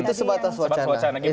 itu sebatas wacana